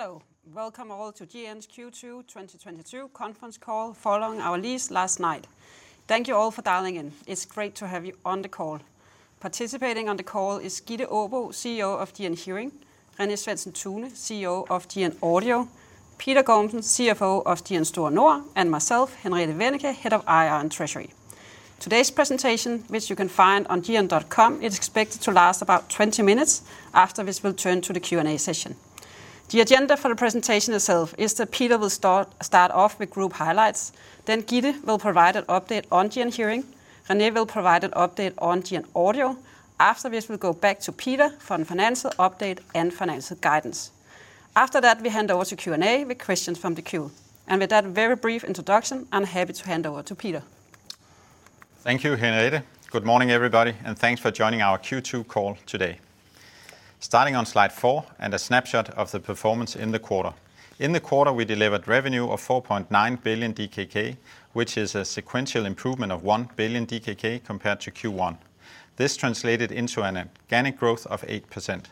Hello, welcome all to GN's Q2 2022 conference call following our release last night. Thank you all for dialing in, it's great to have you on the call. Participating on the call is Gitte Aabo, Chief Executive Officer of GN Hearing, René Svendsen-Tune, Chief Executive Officer of GN Audio, Peter Gormsen, Chief Financial Officer of GN Store Nord, and myself, Henriette Wennicke, Head of Investor Relations and Treasury. Today's presentation, which you can find on gn.com, is expected to last about 20 minutes, after which we'll turn to the Q&A session. The agenda for the presentation itself is that Peter will start off with group highlights, then Gitte will provide an update on GN Hearing, René will provide an update on GN Audio, after which we'll go back to Peter for a financial update and financial guidance. After that, we hand over to Q&A with questions from the queue. With that very brief introduction, I'm happy to hand over to Peter. Thank you, Henriette. Good morning, everybody, and thanks for joining our Q2 call today. Starting on slide four and a snapshot of the performance in the quarter: In the quarter, we delivered revenue of 4.9 billion DKK, which is a sequential improvement of 1 billion DKK compared to Q1. This translated into an organic growth of 8%.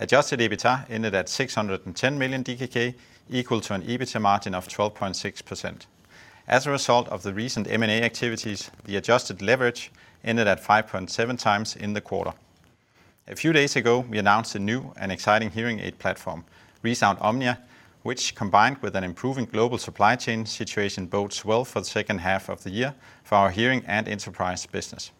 Adjusted EBITDA ended at 610 million DKK, equal to an EBITDA margin of 12.6%. As a result of the recent M&A activities, the adjusted leverage ended at 5.7x in the quarter. A few days ago, we announced a new and exciting hearing aid platform, ReSound OMNIA, which, combined with an improving global supply chain situation, bodes well for the second half of the year for our hearing and enterprise business.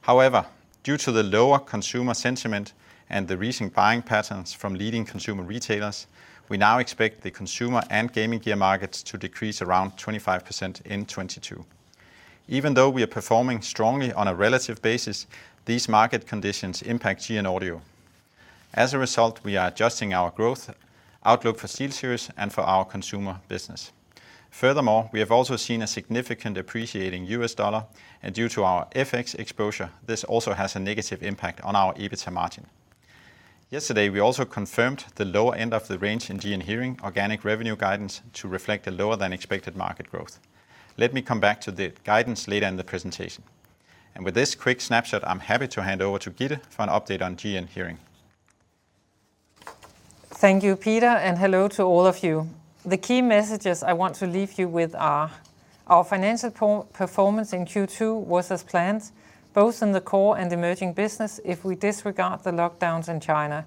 However, due to the lower consumer sentiment and the recent buying patterns from leading consumer retailers, we now expect the consumer and gaming gear markets to decrease around 25% in 2022. Even though we are performing strongly on a relative basis, these market conditions impact GN Audio. As a result, we are adjusting our growth outlook for SteelSeries and for our consumer business. Furthermore, we have also seen a significant appreciating US dollar, and due to our FX exposure, this also has a negative impact on our EBITDA margin. Yesterday, we also confirmed the lower end of the range in GN Hearing organic revenue guidance to reflect a lower-than-expected market growth. Let me come back to the guidance later in the presentation. With this quick snapshot, I'm happy to hand over to Gitte for an update on GN Hearing. Thank you, Peter, and hello to all of you. The key messages I want to leave you with are. Our financial performance in Q2 was as planned, both in the core and emerging business if we disregard the lockdowns in China.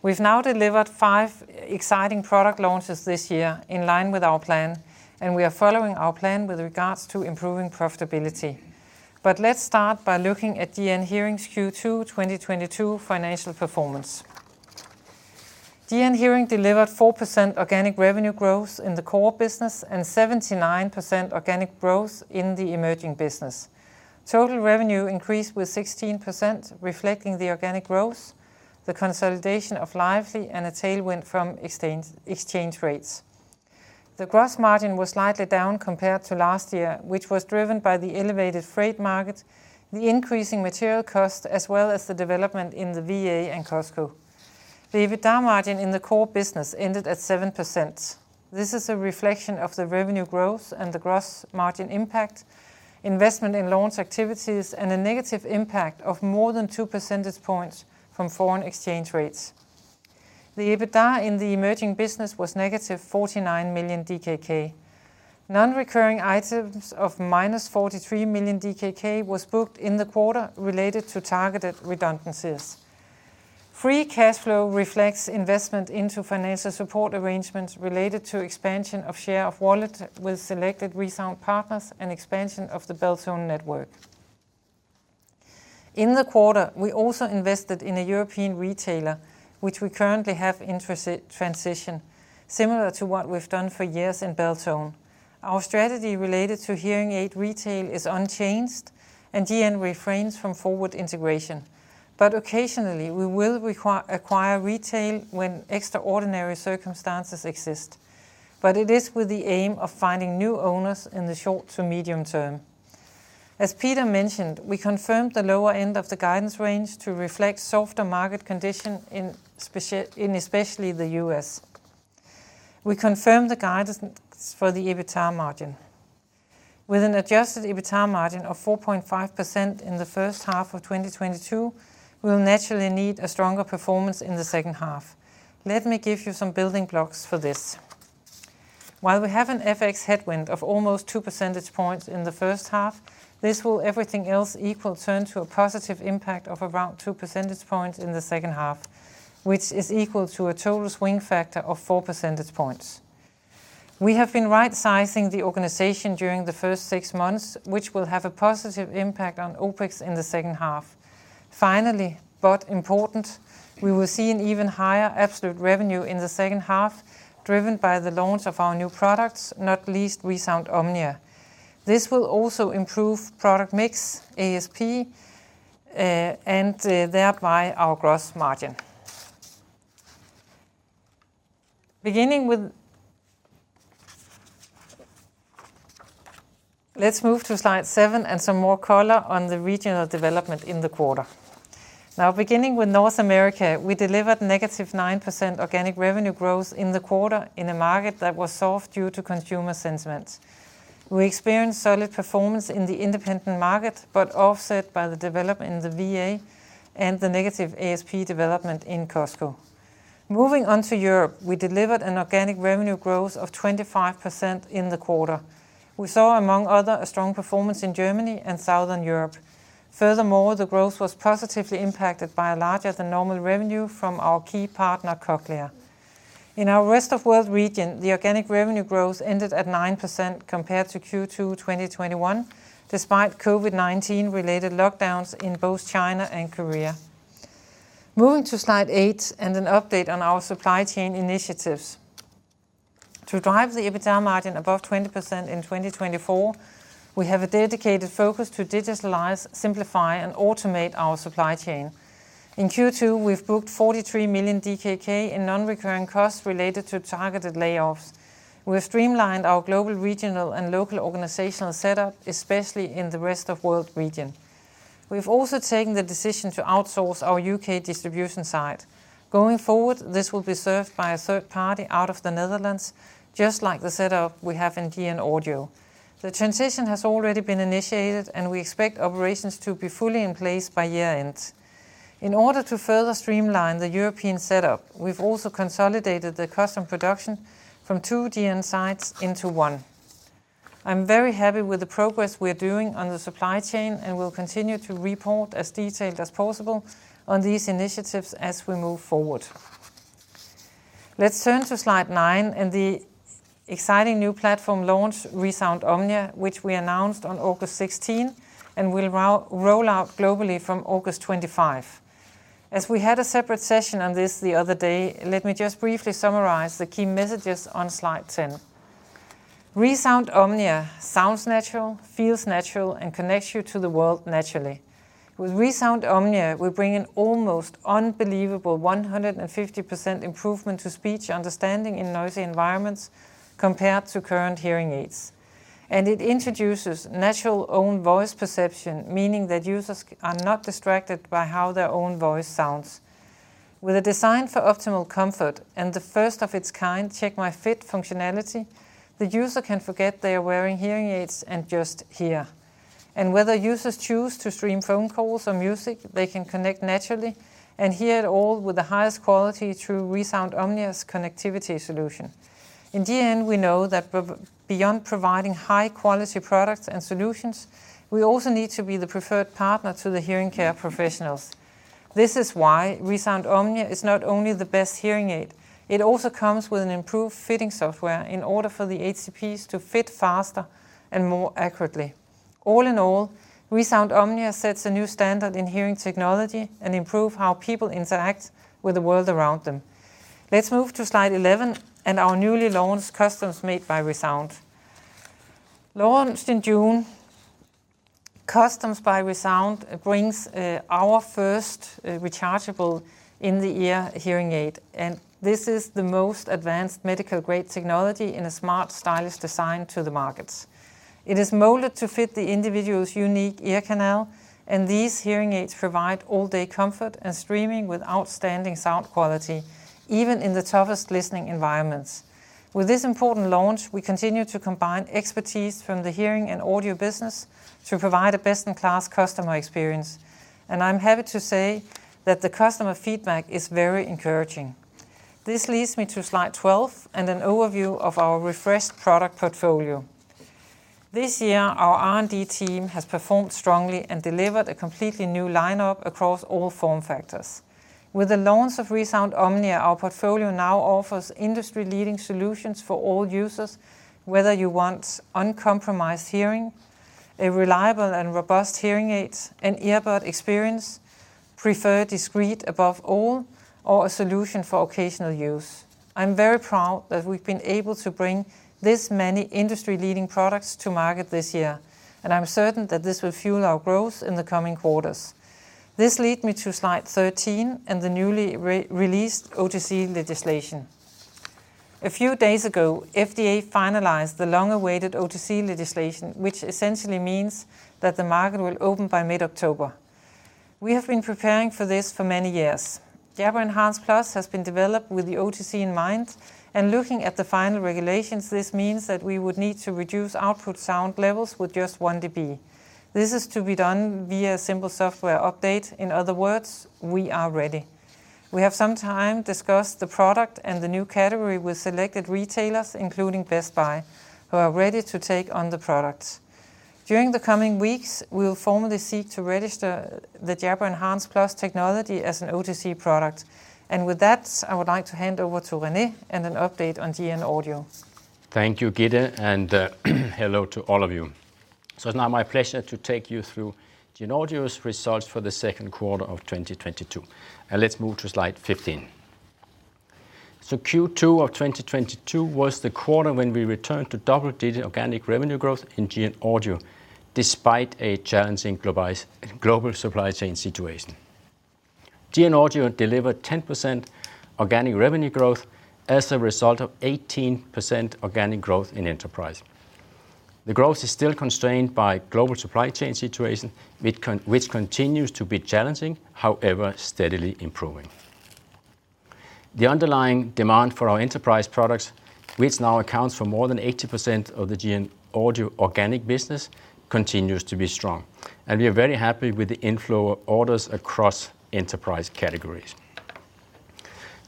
We've now delivered five exciting product launches this year in line with our plan, and we are following our plan with regards to improving profitability. Let's start by looking at GN Hearing's Q2 2022 financial performance. GN Hearing delivered 4% organic revenue growth in the core business and 79% organic growth in the emerging business. Total revenue increased with 16%, reflecting the organic growth, the consolidation of Lively, and a tailwind from exchange rates. The gross margin was slightly down compared to last year, which was driven by the elevated freight market, the increasing material cost, as well as the development in the VA and Costco. The EBITDA margin in the core business ended at 7%. This is a reflection of the revenue growth and the gross margin impact, investment in launch activities, and a negative impact of more than 2 percentage points from foreign exchange rates. The EBITDA in the emerging business was -49 million DKK. Non-recurring items of -43 million DKK were booked in the quarter related to targeted redundancies. Free cash flow reflects investment into financial support arrangements related to expansion of share of wallet with selected ReSound partners and expansion of the Beltone network. In the quarter, we also invested in a European retailer, which we currently have in transition, similar to what we've done for years in Beltone. Our strategy related to hearing aid retail is unchanged, and GN refrains from forward integration. Occasionally, we will acquire retail when extraordinary circumstances exist. It is with the aim of finding new owners in the short to medium term. As Peter mentioned, we confirmed the lower end of the guidance range to reflect softer market condition, especially in the U.S., we confirmed the guidance for the EBITDA margin. With an adjusted EBITDA margin of 4.5% in the first half of 2022, we'll naturally need a stronger performance in the second half. Let me give you some building blocks for this. While we have an FX headwind of almost 2 percentage points in the first half, this will, everything else equal, turn to a positive impact of around 2 percentage points in the second half, which is equal to a total swing factor of 4 percentage points. We have been right-sizing the organization during the first six months, which will have a positive impact on OPEX in the second half. Finally, but important, we will see an even higher absolute revenue in the second half driven by the launch of our new products, not least ReSound OMNIA. This will also improve product mix, ASP, and thereby our gross margin. Beginning with, let's move to slide seven and some more color on the regional development in the quarter. Now, beginning with North America, we delivered -9% organic revenue growth in the quarter in a market that was soft due to consumer sentiment. We experienced solid performance in the independent market but offset by the development in the VA and the negative ASP development in Costco. Moving on to Europe, we delivered an organic revenue growth of 25% in the quarter. We saw, among others, a strong performance in Germany and Southern Europe. Furthermore, the growth was positively impacted by a larger-than-normal revenue from our key partner, Cochlear. In our rest-of-world region, the organic revenue growth ended at 9% compared to Q2 2021, despite COVID-19-related lockdowns in both China and Korea. Moving to slide eight and an update on our supply chain initiatives. To drive the EBITDA margin above 20% in 2024, we have a dedicated focus to digitalize, simplify, and automate our supply chain. In Q2, we've booked 43 million DKK in non-recurring costs related to targeted layoffs. We have streamlined our global, regional, and local organizational setup, especially in the rest-of-world region. We've also taken the decision to outsource our U.K. distribution site. Going forward, this will be served by a third party out of the Netherlands, just like the setup we have in GN Audio. The transition has already been initiated, and we expect operations to be fully in place by year-end. In order to further streamline the European setup, we've also consolidated the custom production from two GN sites into one. I'm very happy with the progress we are doing on the supply chain, and we'll continue to report as detailed as possible on these initiatives as we move forward. Let's turn to slide nine and the exciting new platform launch, ReSound OMNIA, which we announced on August 16th and will roll out globally from August 25th. As we had a separate session on this the other day, let me just briefly summarize the key messages on Slide 10. ReSound OMNIA sounds natural, feels natural, and connects you to the world naturally. With ReSound OMNIA, we bring an almost unbelievable 150% improvement to speech understanding in noisy environments compared to current hearing aids. It introduces natural-own voice perception, meaning that users are not distracted by how their own voice sounds. With a design for optimal comfort and the first-of-its-kind Check My Fit functionality, the user can forget they are wearing hearing aids and just hear. Whether users choose to stream phone calls or music, they can connect naturally and hear it all with the highest quality through ReSound OMNIA's connectivity solution. In the end, we know that beyond providing high-quality products and solutions, we also need to be the preferred partner to the hearing care professionals. This is why ReSound OMNIA is not only the best hearing aid. It also comes with an improved fitting software in order for the HCPs to fit faster and more accurately. All in all, ReSound OMNIA sets a new standard in hearing technology and improves how people interact with the world around them. Let's move to Slide 11 and our newly launched Custom made by ReSound. Launched in June, Custom made by ReSound brings our first rechargeable in-the-ear hearing aid, and this is the most advanced medical-grade technology in a smart, stylish design to the markets. It is molded to fit the individual's unique ear canal, and these hearing aids provide all-day comfort and streaming with outstanding sound quality, even in the toughest listening environments. With this important launch, we continue to combine expertise from the hearing and audio business to provide a best-in-class customer experience. I'm happy to say that the customer feedback is very encouraging. This leads me to Slide 12 and an overview of our refreshed product portfolio. This year, our R&D team has performed strongly and delivered a completely new lineup across all form factors. With the launch of ReSound OMNIA, our portfolio now offers industry-leading solutions for all users, whether you want uncompromised hearing, a reliable and robust hearing aid, an earbud experience, prefer discreet above all, or a solution for occasional use. I'm very proud that we've been able to bring this many industry-leading products to market this year, and I'm certain that this will fuel our growth in the coming quarters. This leads me to Slide 13 and the newly released OTC legislation. A few days ago, FDA finalized the long-awaited OTC legislation, which essentially means that the market will open by mid-October. We have been preparing for this for many years. Jabra Enhance Plus has been developed with the OTC in mind, and looking at the final regulations, this means that we would need to reduce output sound levels with just 1 dB. This is to be done via a simple software update. In other words, we are ready. We have for some time discussed the product and the new category with selected retailers, including Best Buy, who are ready to take on the product. During the coming weeks, we will formally seek to register the Jabra Enhance Plus technology as an OTC product. With that, I would like to hand over to René for an update on GN Audio. Thank you, Gitte, and hello to all of you. It's now my pleasure to take you through GN Audio's results for the second quarter of 2022. Let's move to Slide 15. Q2 of 2022 was the quarter when we returned to double-digit organic revenue growth in GN Audio, despite a challenging global supply chain situation. GN Audio delivered 10% organic revenue growth as a result of 18% organic growth in enterprise. The growth is still constrained by the global supply chain situation, which continues to be challenging, however steadily improving. The underlying demand for our enterprise products, which now accounts for more than 80% of the GN Audio organic business, continues to be strong. We are very happy with the inflow of orders across enterprise categories.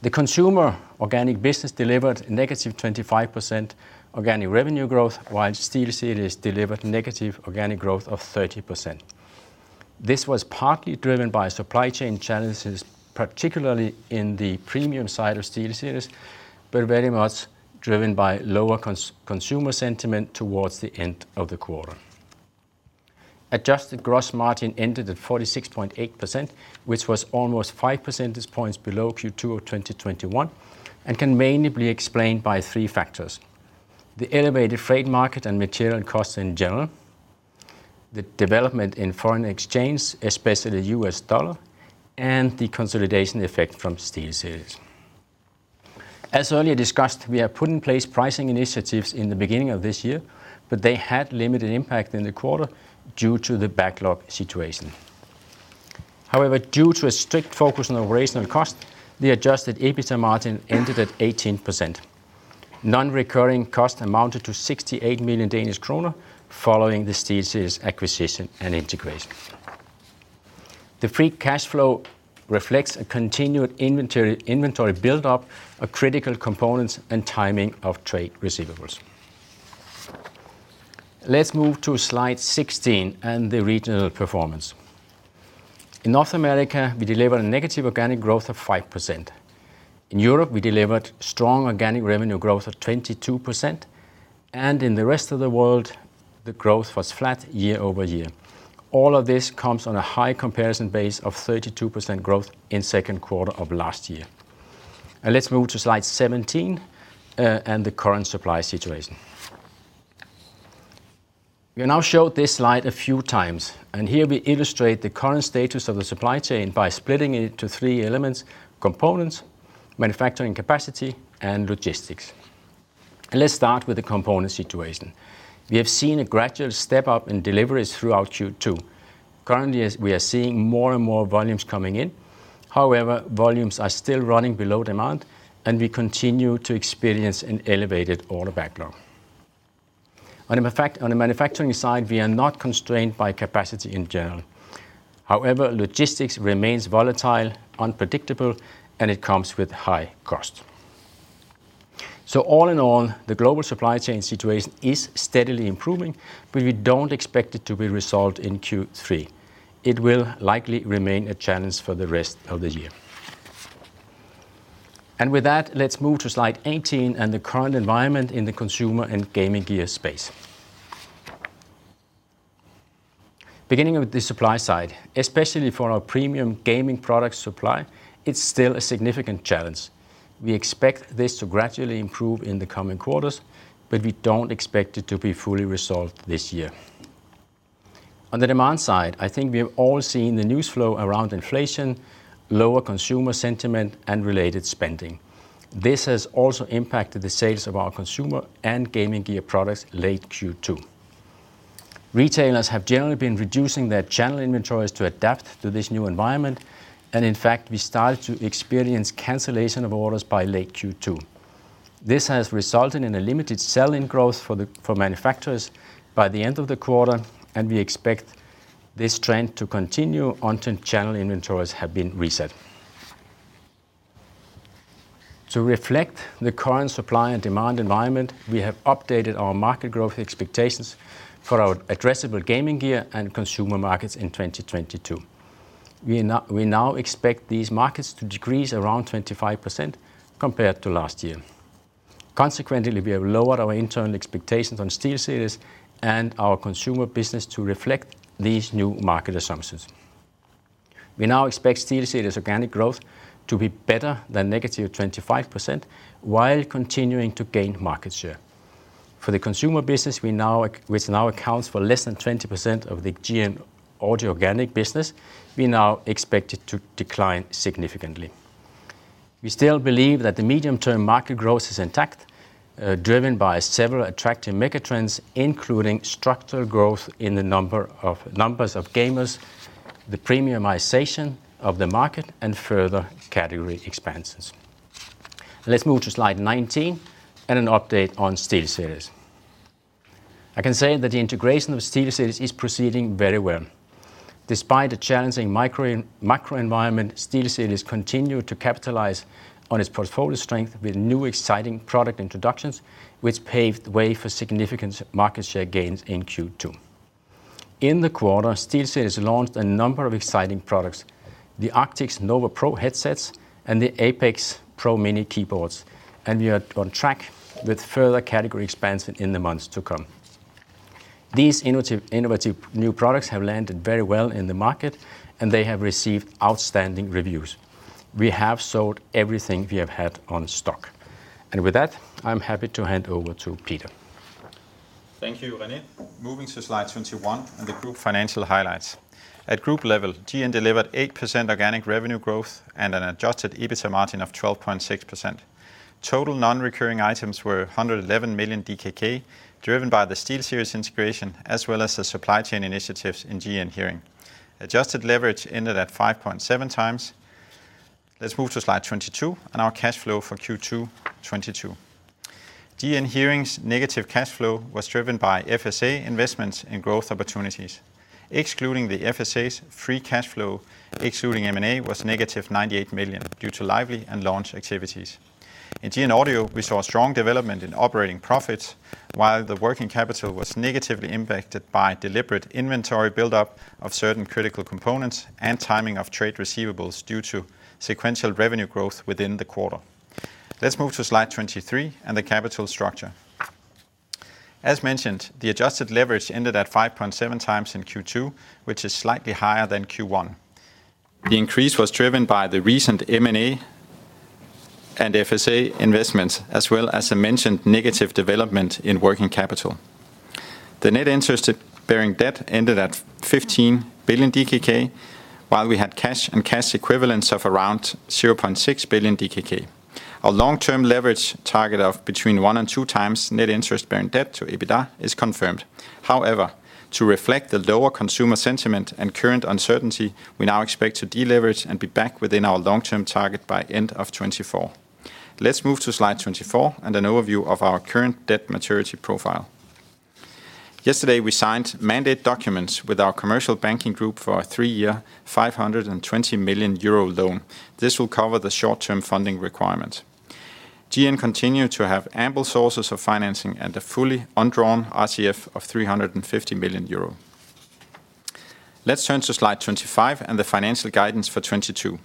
The consumer organic business delivered negative 25% organic revenue growth, while SteelSeries delivered negative organic growth of 30%. This was partly driven by supply chain challenges, particularly in the premium side of SteelSeries, but very much driven by lower consumer sentiment towards the end of the quarter. Adjusted gross margin ended at 46.8%, which was almost 5 percentage points below Q2 of 2021, and can mainly be explained by three factors, the elevated freight market and material costs in general, the development in foreign exchange, especially the U.S.$, and the consolidation effect from SteelSeries. As earlier discussed, we have put in place pricing initiatives in the beginning of this year, but they had limited impact in the quarter due to the backlog situation. However, due to a strict focus on operational cost, the adjusted EBITDA margin ended at 18%. Non-recurring cost amounted to 68 million Danish kroner following the SteelSeries acquisition and integration. The free cash flow reflects a continued inventory buildup of critical components and timing of trade receivables. Let's move to Slide 16 and the regional performance. In North America, we delivered a negative organic growth of 5%. In Europe, we delivered strong organic revenue growth of 22%. In the rest of the world, the growth was flat year-over-year. All of this comes on a high comparison base of 32% growth in the second quarter of last year. Let's move to slide 17 and the current supply situation. We have now showed this slide a few times. Here we illustrate the current status of the supply chain by splitting it into three elements, components, manufacturing capacity, and logistics. Let's start with the component situation. We have seen a gradual step-up in deliveries throughout Q2. Currently, we are seeing more and more volumes coming in. However, volumes are still running below demand, and we continue to experience an elevated order backlog. On the manufacturing side, we are not constrained by capacity in general. However, logistics remains volatile, unpredictable, and it comes with high costs. So all in all, the global supply chain situation is steadily improving, but we don't expect it to be resolved in Q3. It will likely remain a challenge for the rest of the year. With that, let's move to slide 18 and the current environment in the consumer and gaming gear space. Beginning with the supply side, especially for our premium gaming products supply, it's still a significant challenge. We expect this to gradually improve in the coming quarters, but we don't expect it to be fully resolved this year. On the demand side, I think we have all seen the news flow around inflation, lower consumer sentiment, and related spending. This has also impacted the sales of our consumer and gaming gear products late Q2. Retailers have generally been reducing their channel inventories to adapt to this new environment. In fact, we started to experience cancellation of orders by late Q2. This has resulted in a limited selling growth for manufacturers by the end of the quarter. We expect this trend to continue until channel inventories have been reset. To reflect the current supply and demand environment, we have updated our market growth expectations for our addressable gaming gear and consumer markets in 2022. We now expect these markets to decrease around 25% compared to last year. Consequently, we have lowered our internal expectations on SteelSeries and our consumer business to reflect these new market assumptions. We now expect SteelSeries organic growth to be better than -25% while continuing to gain market share. For the consumer business, which now accounts for less than 20% of the GN Audio organic business, we now expect it to decline significantly. We still believe that the medium-term market growth is intact, driven by several attractive megatrends, including structural growth in the numbers of gamers, the premiumization of the market, and further category expansions. Let's move to Slide 19 and an update on SteelSeries. I can say that the integration of SteelSeries is proceeding very well. Despite a challenging microenvironment, SteelSeries continued to capitalize on its portfolio strength with new exciting product introductions, which paved the way for significant market share gains in Q2. In the quarter, SteelSeries launched a number of exciting products, the Arctis Nova Pro headsets and the Apex Pro Mini keyboards. We are on track with further category expansion in the months to come. These innovative new products have landed very well in the market, and they have received outstanding reviews. We have sold everything we have had on stock. With that, I'm happy to hand over to Peter. Thank you, René. Moving to Slide 21 and the group financial highlights. At group level, GN delivered 8% organic revenue growth and an adjusted EBITDA margin of 12.6%. Total non-recurring items were 111 million DKK, driven by the SteelSeries integration as well as the supply chain initiatives in GN Hearing. Adjusted leverage ended at 5.7x. Let's move to Slide 22 and our cash flow for Q2, 2022. GN Hearing's negative cash flow was driven by FSA investments in growth opportunities. Excluding the FSA's free cash flow, excluding M&A, was negative 98 million due to Lively and launch activities. In GN Audio, we saw strong development in operating profits, while the working capital was negatively impacted by deliberate inventory buildup of certain critical components and timing of trade receivables due to sequential revenue growth within the quarter. Let's move to Slide 23 and the capital structure. As mentioned, the adjusted leverage ended at 5.7x in Q2, which is slightly higher than Q1. The increase was driven by the recent M&A and FSA investments, as well as the mentioned negative development in working capital. The net interest-bearing debt ended at 15 billion DKK, while we had cash and cash equivalents of around 0.6 billion DKK. A long-term leverage target of between 1x and 2x net interest-bearing debt to EBITDA is confirmed. However, to reflect the lower consumer sentiment and current uncertainty, we now expect to deleverage and be back within our long-term target by end of 2024. Let's move to Slide 24 and an overview of our current debt maturity profile. Yesterday, we signed mandate documents with our commercial banking group for a three-year, 520 million euro loan. This will cover the short-term funding requirements. GN continued to have ample sources of financing and a fully undrawn RCF of 350 million euro. Let's turn to Slide 25 and the financial guidance for 2022.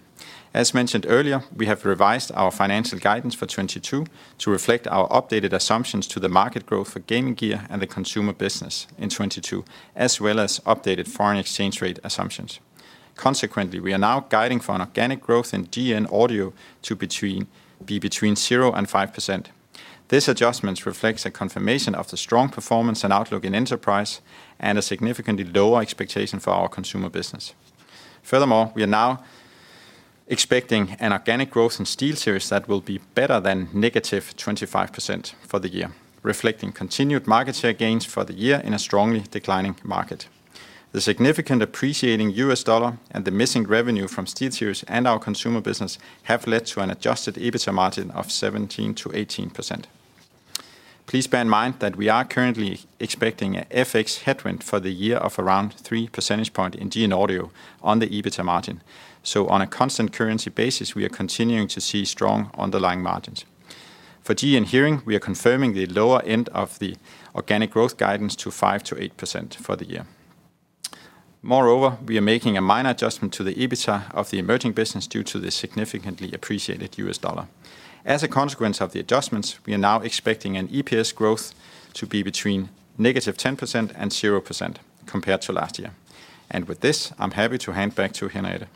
As mentioned earlier, we have revised our financial guidance for 2022 to reflect our updated assumptions to the market growth for gaming gear and the consumer business in 2022, as well as updated foreign exchange rate assumptions. Consequently, we are now guiding for an organic growth in GN Audio to be between 0%-5%. These adjustments reflect a confirmation of the strong performance and outlook in enterprise and a significantly lower expectation for our consumer business. Furthermore, we are now expecting an organic growth in SteelSeries that will be better than -25% for the year, reflecting continued market share gains for the year in a strongly declining market. The significant appreciating U.S.$ and the missing revenue from SteelSeries and our consumer business have led to an adjusted EBITDA margin of 17%-18%. Please bear in mind that we are currently expecting an FX headwind for the year of around 3 percentage points in GN Audio on the EBITDA margin. On a constant currency basis, we are continuing to see strong underlying margins. For GN Hearing, we are confirming the lower end of the organic growth guidance to 5%-8% for the year. Moreover, we are making a minor adjustment to the EBITDA of the emerging business due to the significantly appreciated US dollar. As a consequence of the adjustments, we are now expecting an EPS growth to be between negative 10% and 0% compared to last year. With this, I'm happy to hand back to Henriette.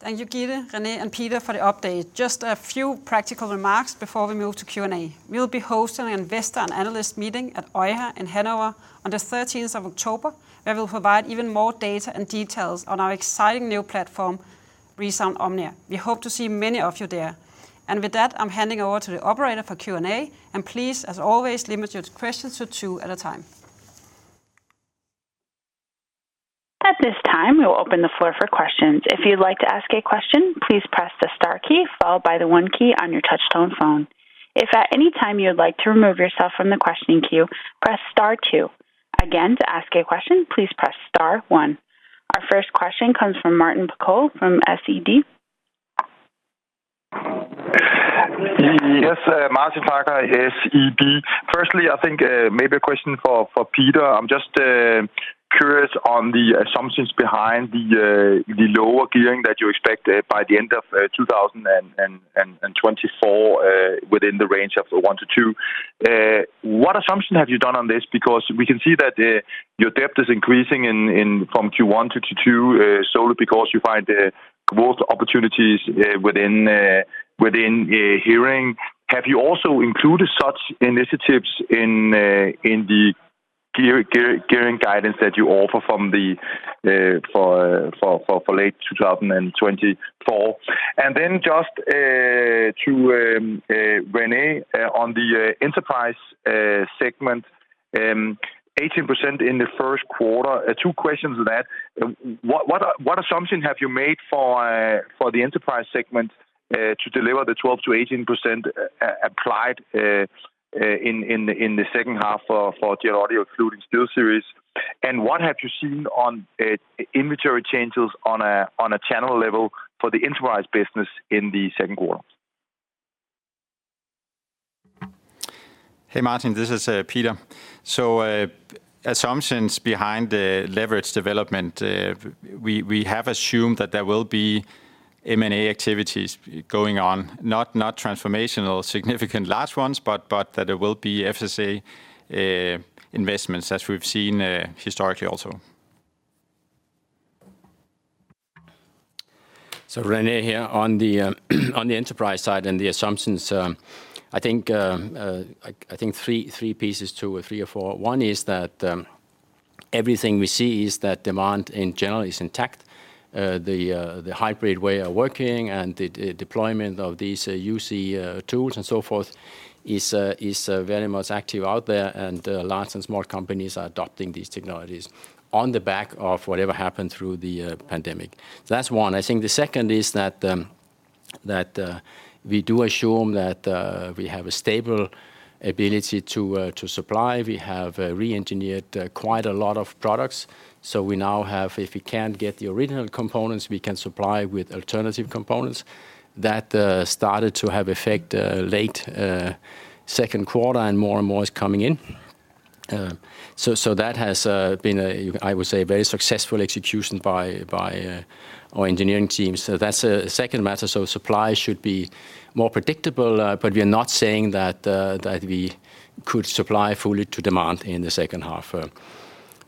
Thank you, Gitte, René, and Peter for the update. Just a few practical remarks before we move to Q&A. We will be hosting an investor and analyst meeting at EUHA in Hanover on the October 13th, where we will provide even more data and details on our exciting new platform, ReSound OMNIA. We hope to see many of you there. With that, I'm handing over to the operator for Q&A. Please, as always, limit your questions to two at a time. At this time, we will open the floor for questions. If you would like to ask a question, please press the star key followed by the one key on your touch-tone phone. If at any time you would like to remove yourself from the questioning queue, press star two. Again, to ask a question, please press star one. Our first question comes from Martin Parkhøi from SEB. Yes, Martin Parkhøi, SEB. Firstly, I think maybe a question for Peter. I'm just curious on the assumptions behind the lower gearing that you expect by the end of 2024 within the range of 1-2. What assumptions have you done on this? Because we can see that your debt is increasing from Q1-Q2 solely because you find growth opportunities within hearing. Have you also included such initiatives in the gearing guidance that you offer for late 2024? Then just to René on the enterprise segment, 18% in the first quarter. Two questions to that. What assumptions have you made for the enterprise segment to deliver the 12%-18% applied in the second half for GN Audio, including SteelSeries? And what have you seen on inventory changes on a channel level for the enterprise business in the second quarter? Hey, Martin. This is Peter. Assumptions behind leverage development: We have assumed that there will be M&A activities going on. Not transformational, significant large ones, but that there will be FSA investments, as we've seen historically also. René here on the enterprise side and the assumptions. I think three pieces too, three or four. One is that everything we see is that demand in general is intact. The hybrid way of working and the deployment of these UC tools and so forth is very much active out there, and large and small companies are adopting these technologies on the back of whatever happened through the pandemic. That's one. I think the second is that we do assume that we have a stable ability to supply. We have re-engineered quite a lot of products. We now have, if we can't get the original components, we can supply with alternative components. That started to have effect late second quarter and more and more is coming in. That has been, I would say, a very successful execution by our engineering teams. That's a second matter. Supply should be more predictable. We are not saying that we could supply fully to demand in the second half.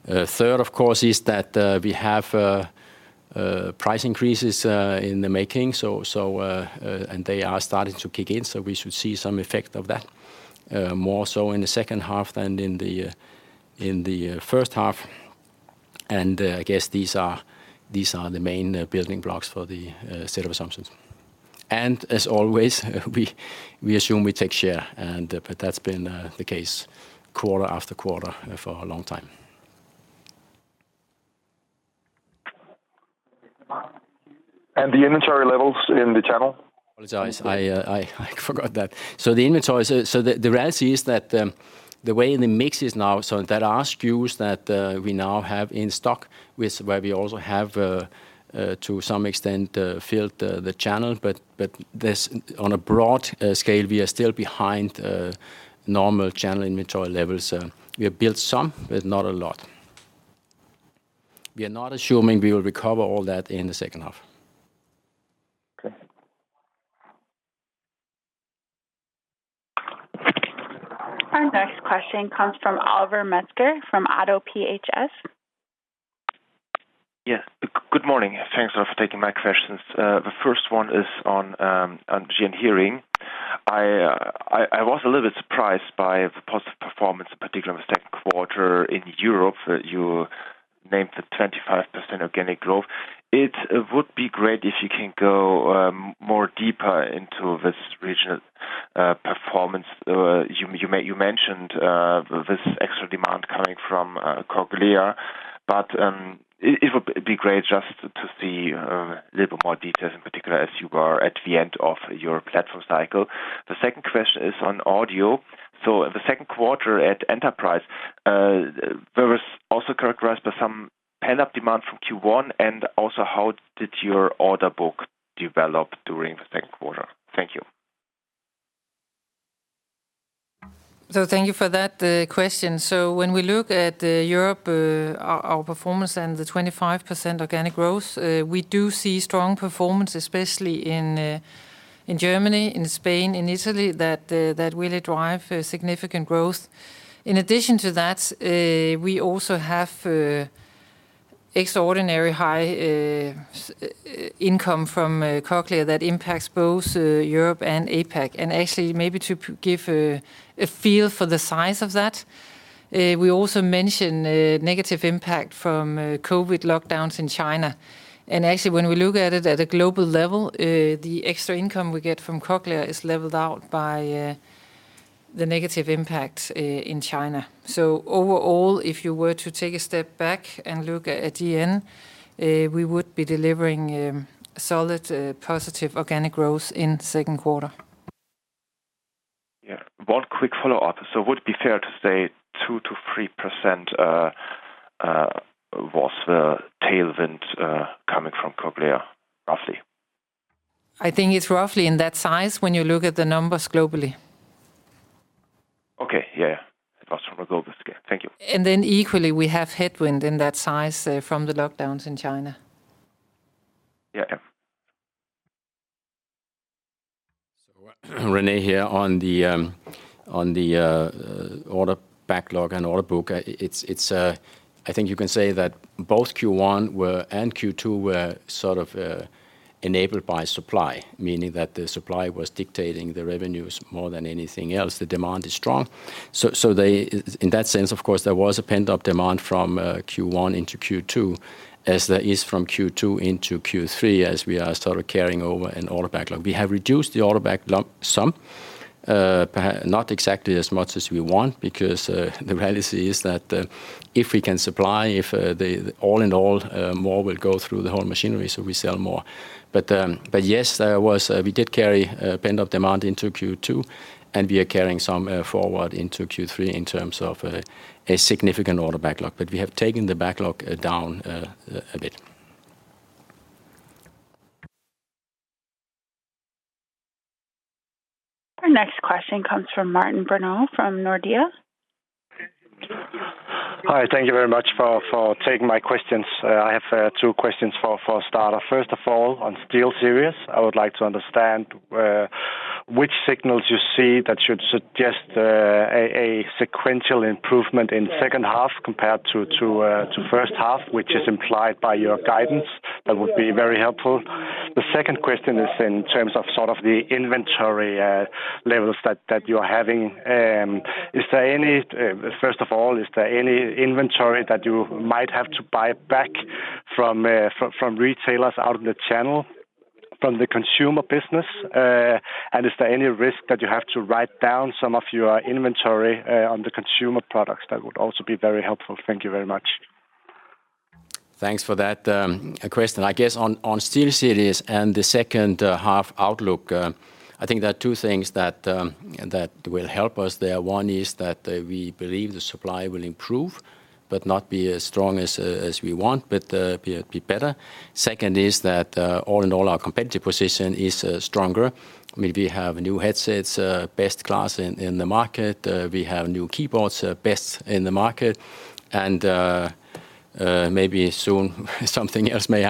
Third, of course, is that we have price increases in the making. They are starting to kick in. We should see some effect of that, more so in the second half than in the first half. I guess these are the main building blocks for the set of assumptions. As always, we assume we take share. That's been the case quarter after quarter for a long time. The inventory levels in the channel? Apologies. I forgot that. The inventories, the reality is that the way the mix is now, so that our SKUs that we now have in stock, where we also have, to some extent, filled the channel. On a broad scale, we are still behind normal channel inventory levels. We have built some, but not a lot. We are not assuming we will recover all that in the second half. Our next question comes from Oliver Metzger from ODDO BHF. Yes. Good morning. Thanks a lot for taking my questions. The first one is on GN Hearing. I was a little bit surprised by the positive performance, in particular, in the second quarter in Europe. You named the 25% organic growth. It would be great if you can go more deeper into this regional performance. You mentioned this extra demand coming from Cochlear. It would be great just to see a little bit more details, in particular, as you were at the end of your platform cycle. The second question is on audio. In the second quarter at enterprise, there was also characterized by some pent-up demand from Q1. Also, how did your order book develop during the second quarter? Thank you. Thank you for that question. When we look at Europe, our performance and the 25% organic growth, we do see strong performance, especially in Germany, in Spain, in Italy, that really drive significant growth. In addition to that, we also have extraordinary high income from Cochlear that impacts both Europe and APAC. Actually, maybe to give a feel for the size of that, we also mention negative impact from COVID lockdowns in China. Actually, when we look at it at a global level, the extra income we get from Cochlear is leveled out by the negative impact in China. Overall, if you were to take a step back and look at GN, we would be delivering solid positive organic growth in second quarter. Yeah. One quick follow-up. Would it be fair to say 2%-3% was the tailwind coming from Cochlear, roughly? I think it's roughly in that size when you look at the numbers globally. Okay. Yeah, yeah. It was from a global scale. Thank you. Equally, we have headwind in that size from the lockdowns in China. Yeah, yeah. René here on the order backlog and order book. I think you can say that both Q1 and Q2 were sort of enabled by supply, meaning that the supply was dictating the revenues more than anything else. The demand is strong. In that sense, of course, there was a pent-up demand from Q1 into Q2, as there is from Q2 into Q3, as we are sort of carrying over an order backlog. We have reduced the order backlog some, perhaps not exactly as much as we want, because the reality is that if we can supply, all in all, more will go through the whole machinery, so we sell more. Yes, we did carry pent-up demand into Q2. We are carrying some forward into Q3 in terms of a significant order backlog. We have taken the backlog down a bit. Our next question comes from Martin Brenøe from Nordea. Hi. Thank you very much for taking my questions. I have two questions for a start. First of all, on SteelSeries, I would like to understand which signals you see that should suggest a sequential improvement in second half compared to first half, which is implied by your guidance. That would be very helpful. The second question is in terms of sort of the inventory levels that you are having. Is there any inventory that you might have to buy back from retailers out in the channel, from the consumer business? And is there any risk that you have to write down some of your inventory on the consumer products? That would also be very helpful. Thank you very much. Thanks for that question. I guess, on SteelSeries and the second half outlook, I think there are two things that will help us there. One is that we believe the supply will improve, but not be as strong as we want, but be better. Second is that, all in all, our competitive position is stronger. I mean, we have new headsets, best-class in the market. We have new keyboards, best in the market. Maybe soon, something else may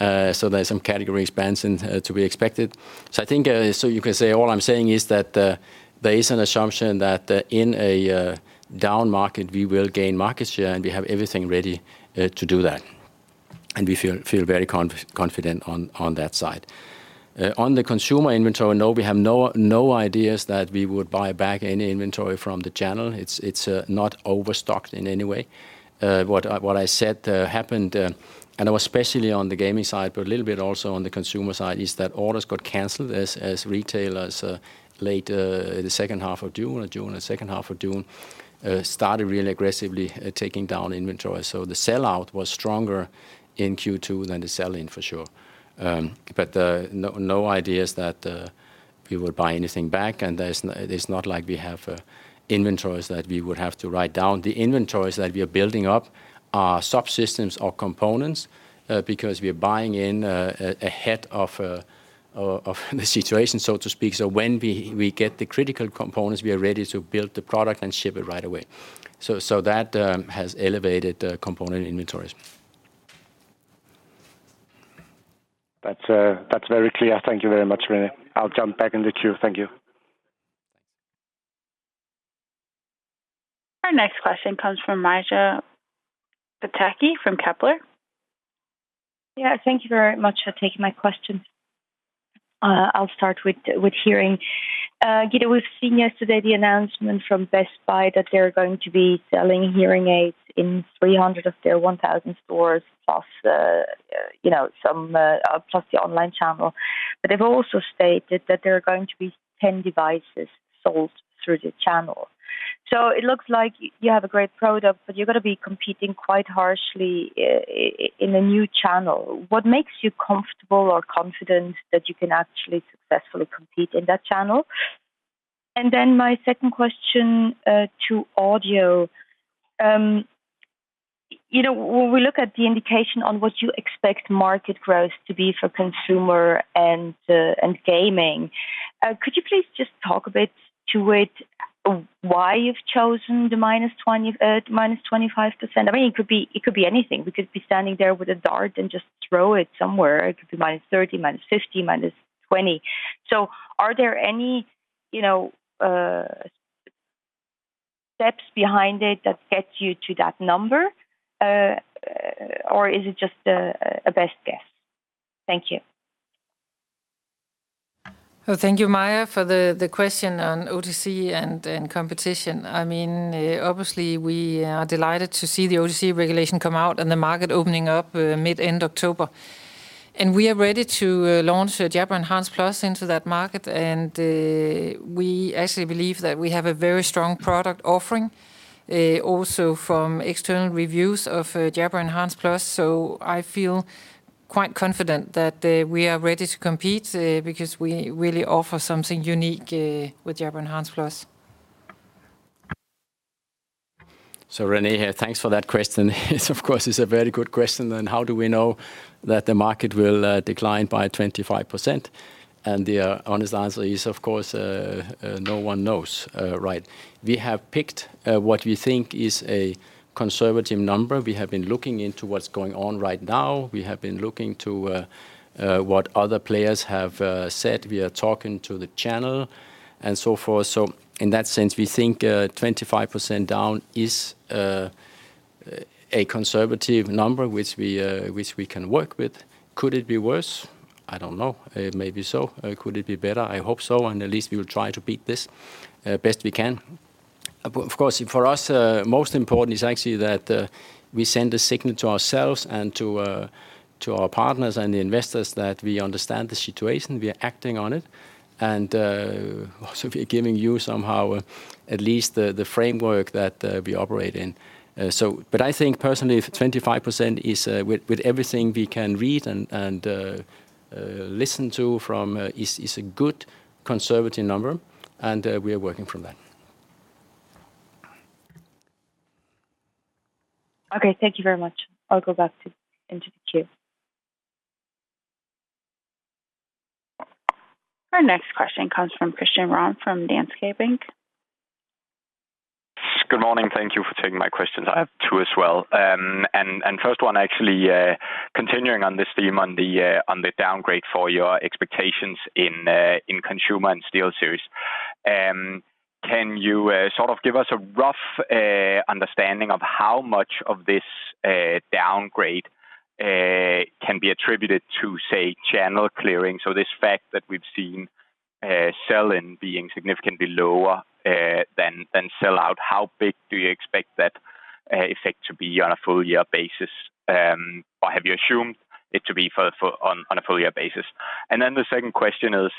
happen. There's some category expansion to be expected. I think, so you can say, all I'm saying is that there is an assumption that in a down market, we will gain market share. We have everything ready to do that. We feel very confident on that side. On the consumer inventory, no, we have no indications that we would buy back any inventory from the channel. It's not overstocked in any way. What I said happened, and especially on the gaming side, but a little bit also on the consumer side, is that orders got canceled as retailers late in the second half of June, or June in the second half of June, started really aggressively taking down inventory. The sellout was stronger in Q2 than the sell-in, for sure. No ideas that we would buy anything back. It's not like we have inventories that we would have to write down. The inventories that we are building up are subsystems or components, because we are buying in ahead of the situation, so to speak. When we get the critical components, we are ready to build the product and ship it right away. That has elevated component inventories. That's very clear. Thank you very much, René. I'll jump back into queue. Thank you. Thanks. Our next question comes from Maja Pataki from Kepler. Yeah. Thank you very much for taking my question. I'll start with hearing. Gitte, we've seen yesterday the announcement from Best Buy that they're going to be selling hearing aids in 300 stores of their 1,000 stores, plus the online channel. But they've also stated that there are going to be 10 devices sold through the channel. So it looks like you have a great product, but you're going to be competing quite harshly in a new channel. What makes you comfortable or confident that you can actually successfully compete in that channel? Then my second question to audio. When we look at the indication on what you expect market growth to be for consumer and gaming, could you please just talk a bit to it why you've chosen the -25%? I mean, it could be anything. We could be standing there with a dart and just throw it somewhere. It could be -30%, -50%, -20%. Are there any steps behind it that get you to that number? Or is it just a best guess? Thank you. Thank you, Maja, for the question on OTC and competition. I mean, obviously, we are delighted to see the OTC regulation come out and the market opening up mid-end October. We are ready to launch Jabra Enhance Plus into that market. We actually believe that we have a very strong product offering, also from external reviews of Jabra Enhance Plus. I feel quite confident that we are ready to compete, because we really offer something unique with Jabra Enhance Plus. René here. Thanks for that question. Of course, it's a very good question. How do we know that the market will decline by 25%? The honest answer is, of course, no one knows, right? We have picked what we think is a conservative number. We have been looking into what's going on right now. We have been looking to what other players have said. We are talking to the channel and so forth. In that sense, we think 25% down is a conservative number, which we can work with. Could it be worse? I don't know. Maybe so. Could it be better? I hope so. At least we will try to beat this best we can. Of course, for us, most important is actually that we send a signal to ourselves and to our partners and the investors that we understand the situation. We are acting on it. Also, we are giving you somehow at least the framework that we operate in. I think, personally, 25% is, with everything we can read and listen to, is a good conservative number. We are working from that. Okay. Thank you very much. I'll go back into the queue. Our next question comes from Christian Rom from Danske Bank. Good morning. Thank you for taking my questions. I have two as well. First one, actually, continuing on this theme, on the downgrade for your expectations in consumer and SteelSeries, can you sort of give us a rough understanding of how much of this downgrade can be attributed to, say, channel clearing? This fact that we've seen sell-in being significantly lower than sell-out, how big do you expect that effect to be on a full-year basis? Or have you assumed it to be on a full-year basis? Then the second question is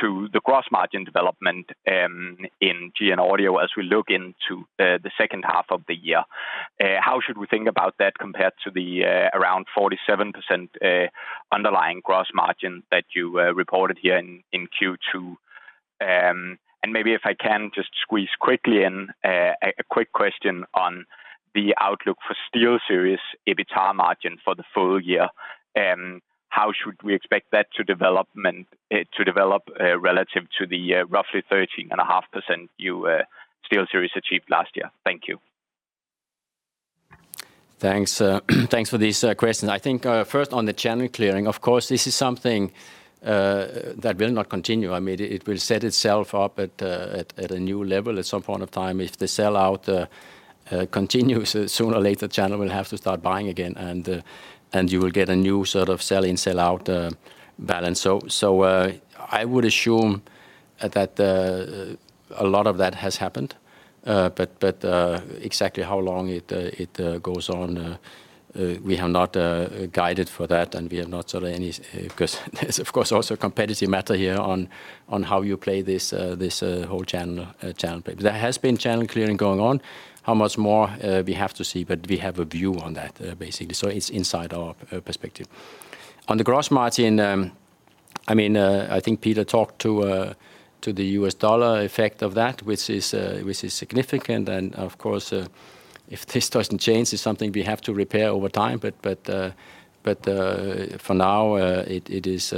to the gross margin development in GN Audio as we look into the second half of the year. How should we think about that compared to the around 47% underlying gross margin that you reported here in Q2? Maybe, if I can, just squeeze quickly in a quick question on the outlook for SteelSeries EBITDA margin for the full year. How should we expect that to develop relative to the roughly 13.5% SteelSeries achieved last year? Thank you. Thanks for these questions. I think, first, on the channel clearing, of course, this is something that will not continue. I mean, it will set itself up at a new level at some point of time. If the sell-out continues, sooner or later, the channel will have to start buying again. You will get a new sort of sell-in, sell-out balance. I would assume that a lot of that has happened. Exactly how long it goes on, we have not guided for that. We have not sort of any because there's, of course, also a competitive matter here on how you play this whole channel play. There has been channel clearing going on. How much more, we have to see. We have a view on that, basically. It's inside our perspective. On the gross margin, I mean, I think Peter talked to the U.S. dollar effect of that, which is significant. Of course, if this doesn't change, it's something we have to repair over time. For now, it is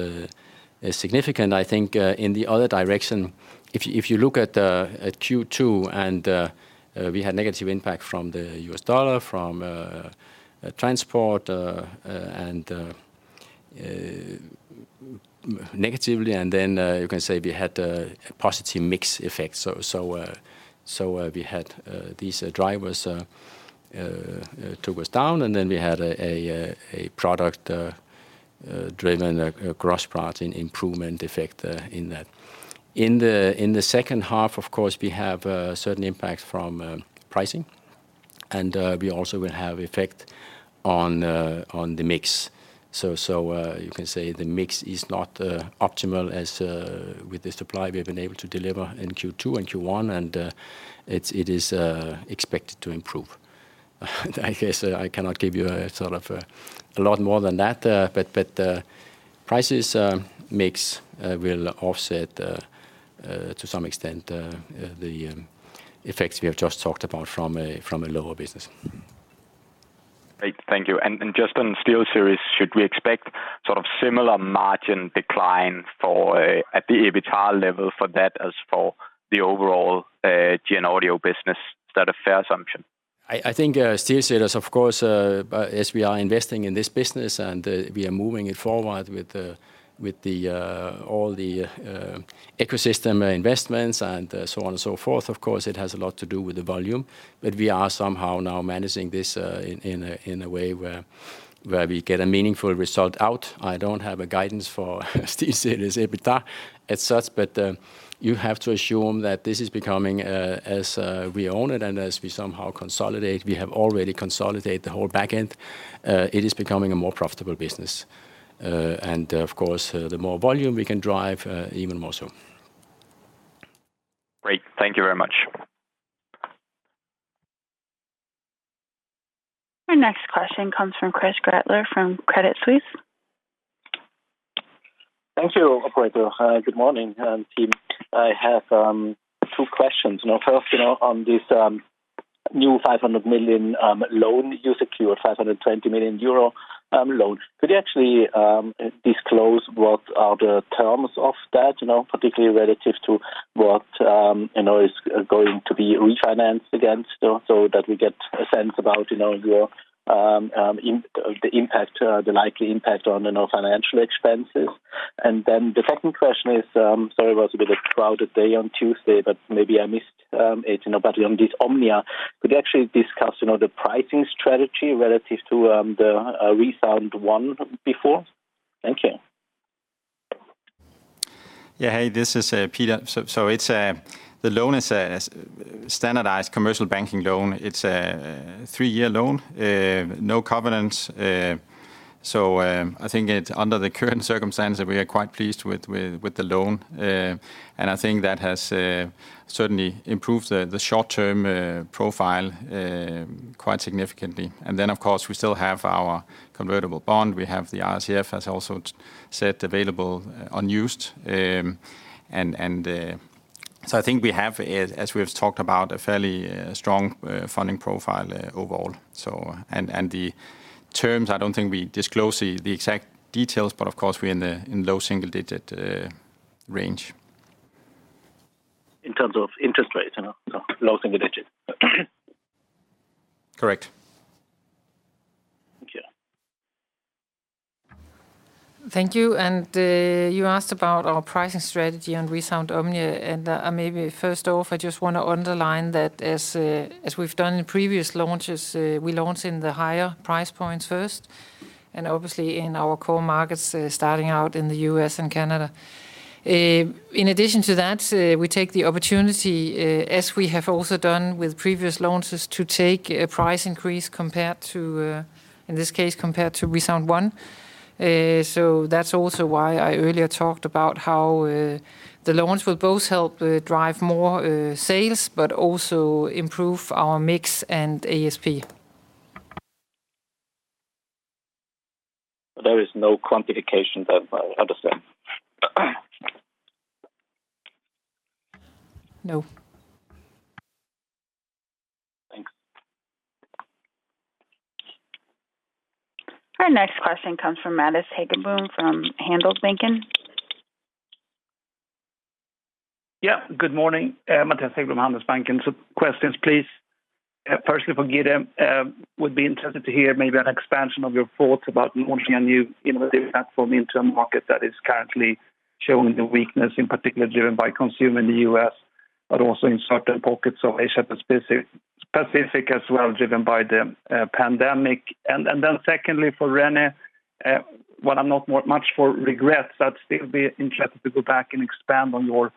significant. I think, in the other direction, if you look at Q2, and we had negative impact from the U.S.$, from transport negatively, and then you can say we had a positive mix effect. We had these drivers took us down. Then we had a product-driven gross margin improvement effect in that. In the second half, of course, we have certain impacts from pricing. We also will have an effect on the mix. You can say the mix is not optimal as with the supply we have been able to deliver in Q2 and Q1. It is expected to improve. I guess I cannot give you sort of a lot more than that. Prices mix will offset, to some extent, the effects we have just talked about from a lower business. Great. Thank you. Just on SteelSeries, should we expect sort of similar margin decline at the EBITDA level for that as for the overall GN Audio business? Is that a fair assumption? I think SteelSeries, of course, as we are investing in this business and we are moving it forward with all the ecosystem investments and so on and so forth, of course, it has a lot to do with the volume. We are somehow now managing this in a way where we get a meaningful result out. I don't have a guidance for SteelSeries EBITDA as such. You have to assume that this is becoming, as we own it and as we somehow consolidate we have already consolidated the whole back end, it is becoming a more profitable business. The more volume we can drive, even more so. Great. Thank you very much. Our next question comes from Christoph Gretler from Credit Suisse. Thank you, Operator. Good morning, team. I have two questions. First, on this new 500 million loan you secured, 520 million euro loan, could you actually disclose what are the terms of that, particularly relative to what is going to be refinanced against, so that we get a sense about the impact, the likely impact on financial expenses? The second question is sorry, it was a bit of a crowded day on Tuesday, but maybe I missed it. On this OMNIA, could you actually discuss the pricing strategy relative to the ReSound ONE before? Thank you. Yeah. Hey, this is Pete. The loan is a standardized commercial banking loan. It's a three-year loan, no covenants. I think it's under the current circumstances, we are quite pleased with the loan. I think that has certainly improved the short-term profile quite significantly. Of course, we still have our convertible bond. We have the RCF, as also said, available unused. I think we have, as we have talked about, a fairly strong funding profile overall. The terms, I don't think we disclose the exact details. Of course, we're in the low single-digit range. In terms of interest rates, low single-digit. Correct. Thank you. Thank you. You asked about our pricing strategy on ReSound OMNIA. Maybe, first off, I just want to underline that, as we've done in previous launches, we launch in the higher price points first, and obviously in our core markets, starting out in the U.S. and Canada. In addition to that, we take the opportunity, as we have also done with previous launches, to take a price increase compared to, in this case, compared to ReSound ONE. That's also why I earlier talked about how the new ones will both help drive more sales, but also improve our mix and ASP. There is no quantification, then, I understand. No. Thanks. Our next question comes from Mattias Häggblom from Handelsbanken. Yeah. Good morning. Mattias Häggblom, Handelsbanken. Questions, please. Firstly, for Gitte, we'd be interested to hear maybe an expansion of your thoughts about launching a new innovative platform into a market that is currently showing the weakness, in particular driven by consumer in the U.S., but also in certain pockets of Asia Pacific as well, driven by the pandemic. Secondly, for René, what I'm not much for regrets, I'd still be interested to go back and expand on your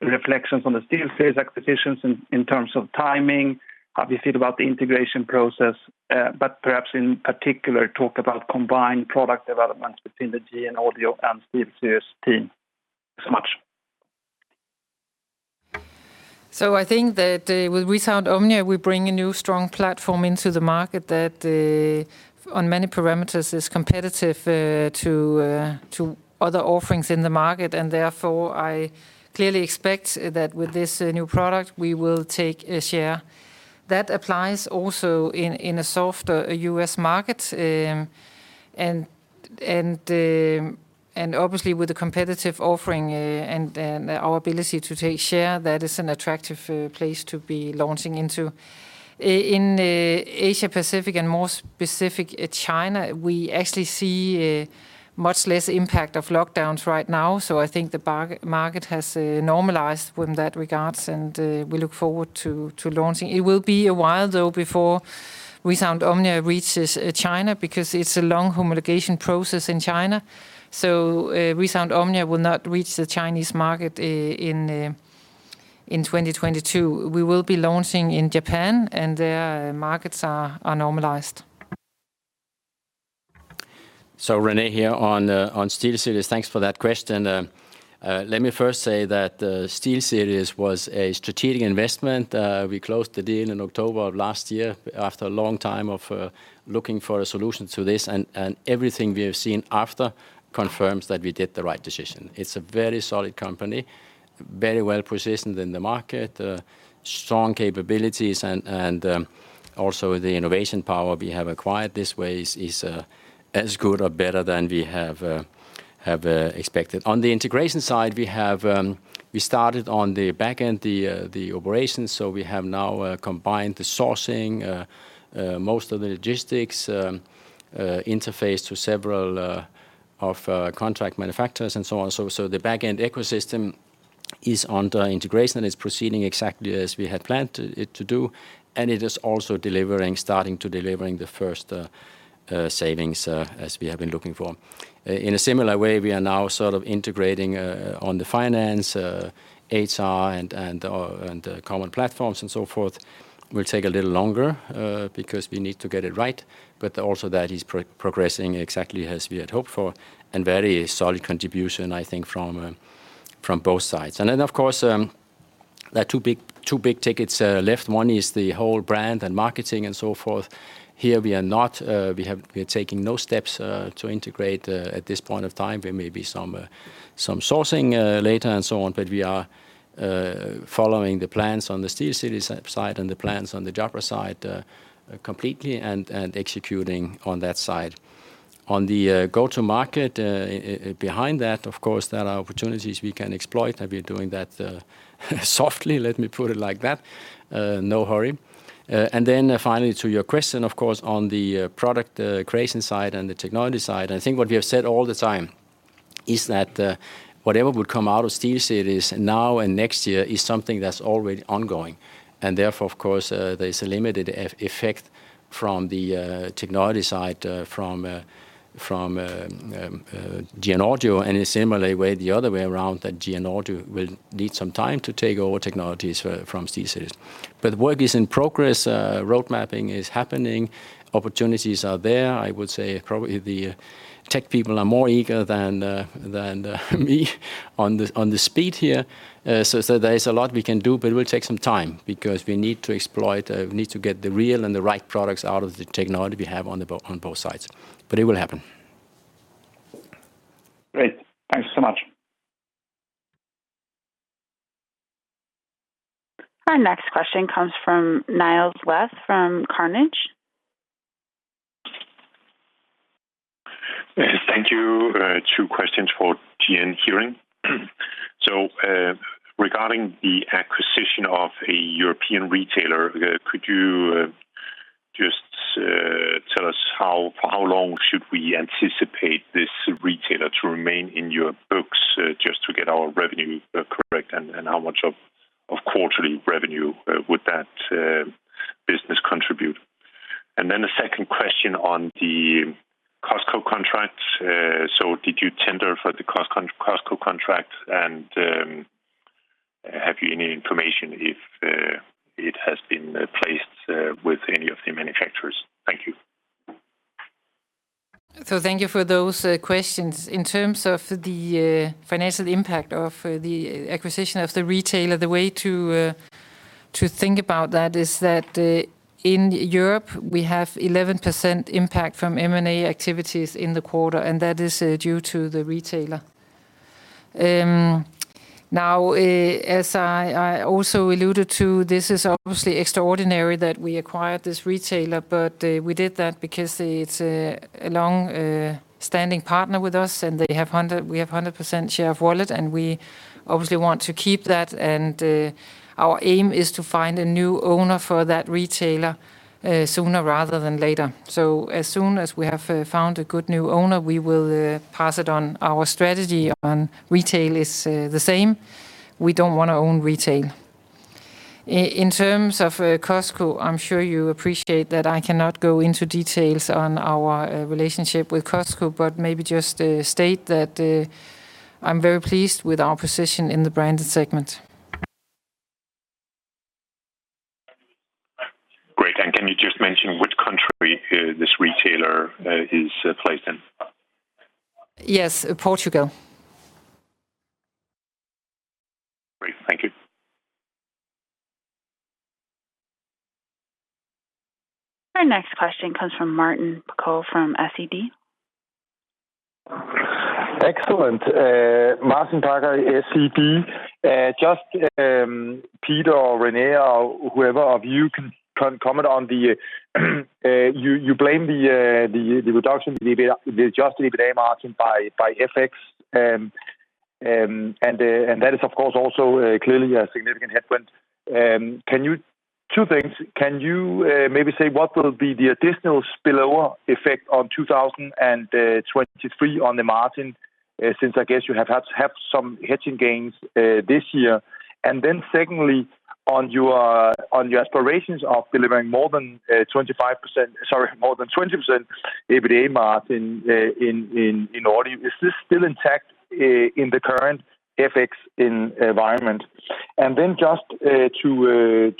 reflections on the SteelSeries acquisitions in terms of timing. How do you feel about the integration process? Perhaps, in particular, talk about combined product development between the GN Audio and SteelSeries team. Thanks so much. I think that with ReSound OMNIA, we bring a new strong platform into the market that, on many parameters, is competitive to other offerings in the market. Therefore, I clearly expect that, with this new product, we will take a share. That applies also in a softer U.S. market. Obviously, with a competitive offering and our ability to take share, that is an attractive place to be launching into. In Asia Pacific and, more specifically, China, we actually see much less impact of lockdowns right now. I think the market has normalized in that regard. We look forward to launching. It will be a while, though, before ReSound OMNIA reaches China, because it's a long homologation process in China. ReSound OMNIA will not reach the Chinese market in 2022. We will be launching in Japan. There, markets are normalized. René here on SteelSeries. Thanks for that question. Let me first say that SteelSeries was a strategic investment. We closed the deal in October of last year after a long time of looking for a solution to this. Everything we have seen after confirms that we did the right decision. It's a very solid company, very well positioned in the market, strong capabilities, and also the innovation power we have acquired this way is as good or better than we have expected. On the integration side, we started on the back end, the operations. We have now combined the sourcing, most of the logistics interface to several of contract manufacturers, and so on and so forth. The back end ecosystem is under integration. It's proceeding exactly as we had planned it to do. It is also starting to deliver the first savings as we have been looking for. In a similar way, we are now sort of integrating on the finance, Human Resource, and common platforms, and so forth. We'll take a little longer because we need to get it right. That is progressing exactly as we had hoped for. Very solid contribution, I think, from both sides. Then, of course, there are two big tickets left. One is the whole brand and marketing and so forth. Here, we are taking no steps to integrate at this point of time. There may be some sourcing later and so on. We are following the plans on the SteelSeries side and the plans on the Jabra side completely and executing on that side. On the go-to-market behind that, of course, there are opportunities we can exploit. We're doing that softly, let me put it like that. No hurry. Then, finally, to your question, of course, on the product creation side and the technology side, I think what we have said all the time is that whatever would come out of SteelSeries now and next year is something that's already ongoing. Therefore, of course, there is a limited effect from the technology side from GN Audio. In a similar way, the other way around, that GN Audio will need some time to take over technologies from SteelSeries. Work is in progress. Roadmapping is happening. Opportunities are there. I would say probably the tech people are more eager than me on the speed here. There is a lot we can do. It will take some time, because we need to get the real and the right products out of the technology we have on both sides. It will happen. Great. Thanks so much. Our next question comes from Niels Granholm-Leth from Carnegie. Thank you. Two questions for GN Hearing. Regarding the acquisition of a European retailer, could you just tell us how long should we anticipate this retailer to remain in your books, just to get our revenue correct? How much of quarterly revenue would that business contribute? The second question on the Costco contracts. Did you tender for the Costco contract? Have you any information if it has been placed with any of the manufacturers? Thank you. Thank you for those questions. In terms of the financial impact of the acquisition of the retailer, the way to think about that is that, in Europe, we have 11% impact from M&A activities in the quarter. That is due to the retailer. Now, as I also alluded to, this is obviously extraordinary that we acquired this retailer. We did that because it's a longstanding partner with us. We have 100% share of wallet. We obviously want to keep that. Our aim is to find a new owner for that retailer sooner rather than later. As soon as we have found a good new owner, we will pass it on. Our strategy on retail is the same. We don't want to own retail. In terms of Costco, I'm sure you appreciate that I cannot go into details on our relationship with Costco. Maybe just state that I'm very pleased with our position in the branded segment. Great. Can you just mention which country this retailer is placed in? Yes. Portugal. Great. Thank you. Our next question comes from Martin Parkhøi from SEB. Excellent. Martin Parkhøi, SEB. Just, Pete, or René, or whoever of you can comment on you blame the reduction in the adjusted EBITDA margin on FX. That is, of course, also clearly a significant headwind. Two things. Can you maybe say what will be the additional spillover effect on 2023 on the margin, since, I guess, you have had some hedging gains this year? Secondly, on your aspirations of delivering more than 25% sorry, more than 20% EBITDA margin in Audio, is this still intact in the current FX environment? Just to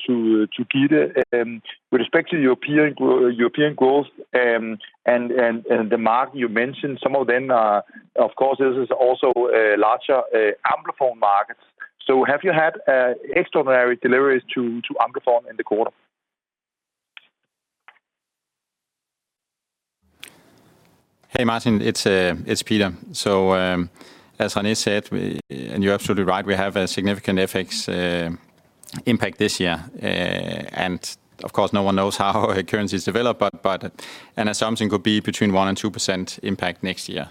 Gitte, with respect to European growth and the market you mentioned, some of them are of course also larger Amplifon markets. Have you had extraordinary deliveries to Amplifon in the quarter? Hey, Martin. It's Pete. As René said, and you're absolutely right, we have a significant FX impact this year. Of course, no one knows how currencies develop. An assumption could be between 1%-2% impact next year.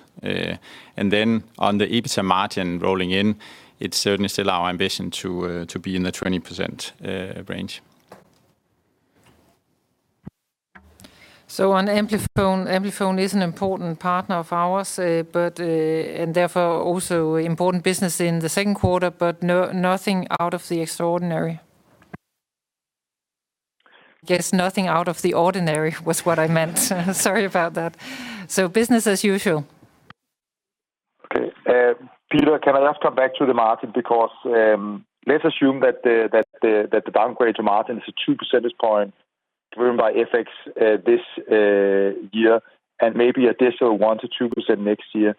Then, on the EBITDA margin rolling in, it's certainly still our ambition to be in the 20% range. On Amplifon is an important partner of ours. Therefore, also important business in the second quarter. Nothing out of the extraordinary. I guess nothing out of the ordinary was what I meant. Sorry about that. Business as usual. Okay. Pete, can I just come back to the market? Because let's assume that the downgrade to margin is a 2 percentage point driven by FX this year and maybe additional 1%-2% next year.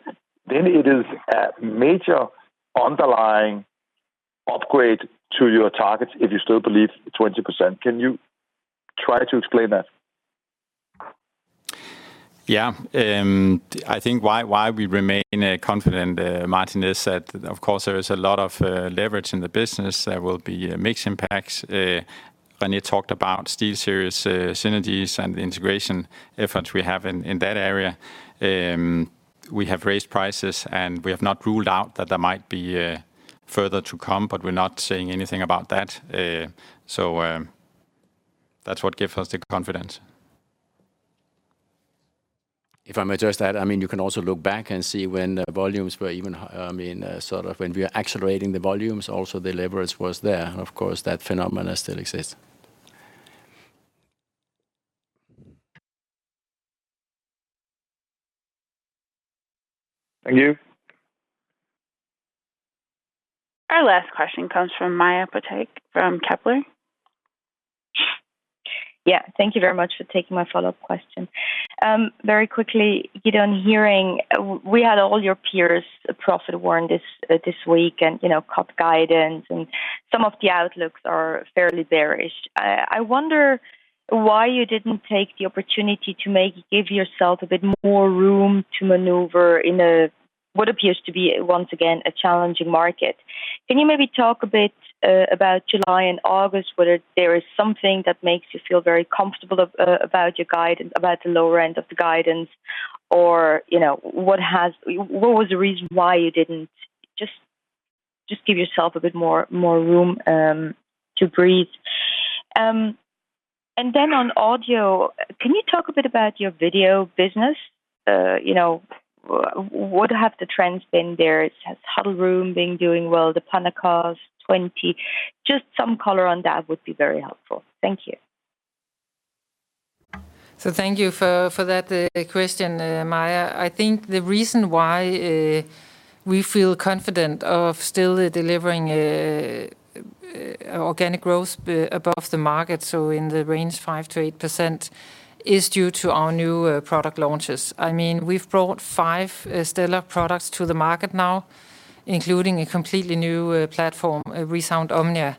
It is a major underlying upgrade to your targets, if you still believe 20%. Can you try to explain that? Yeah. I think why we remain confident, Martin, is that, of course, there is a lot of leverage in the business. There will be mixed impacts. René talked about SteelSeries synergies and the integration efforts we have in that area. We have raised prices. We have not ruled out that there might be further to come. We're not saying anything about that. That's what gives us the confidence. If I may address that, I mean, you can also look back and see when volumes were even higher. I mean, sort of when we were accelerating the volumes, also, the leverage was there. Of course, that phenomenon still exists. Thank you. Our last question comes from Maja Pataki from Kepler. Yeah. Thank you very much for taking my follow-up question. Very quickly, Gitte on Hearing, we had all your peers profit warned this week and, you know, cut guidance. Some of the outlooks are fairly bearish. I wonder why you didn't take the opportunity to give yourself a bit more room to maneuver in what appears to be, once again, a challenging market. Can you maybe talk a bit about July and August? Whether there is something that makes you feel very comfortable about your guidance, about the lower end of the guidance? Or, you know, what was the reason why you didn't? Just give yourself a bit more room to breathe. On Audio, can you talk a bit about your video business? You know, what have the trends been there? Has huddle room been doing well? The PanaCast 20? Just some color on that would be very helpful. Thank you. Thank you for that question, Maja. I think the reason why we feel confident of still delivering organic growth above the market, so in the range 5%-8%, is due to our new product launches. I mean, we've brought five stellar products to the market now, including a completely new platform, ReSound OMNIA.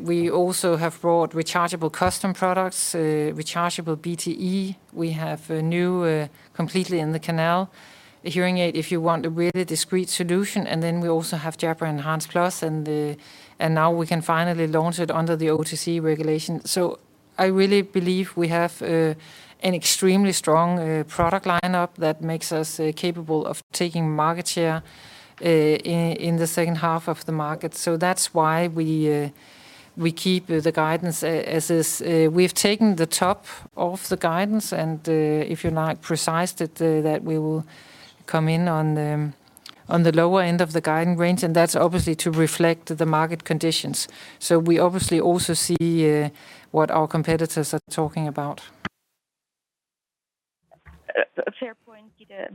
We also have brought rechargeable custom products, rechargeable BTE. We have a new, completely in the canal, a hearing aid, if you want, a really discrete solution. We also have Jabra Enhance Plus. Now, we can finally launch it under the OTC regulation. I really believe we have an extremely strong product lineup that makes us capable of taking market share in the second half of the market. That's why we keep the guidance as is. We have taken the top of the guidance. If you're not precise, that we will come in on the lower end of the guiding range. That's obviously to reflect the market conditions. We obviously also see what our competitors are talking about. Fair point, Gitte.